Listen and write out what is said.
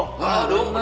wah dong mbah